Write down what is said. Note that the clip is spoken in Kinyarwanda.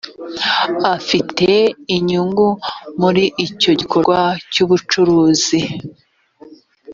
afite inyungu muri icyo gikorwa cy ubucuruzi